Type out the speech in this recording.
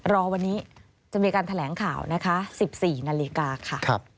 รอวันนี้จะมีการแถลงข่าวนะคะ๑๔นาฬิกาค่ะ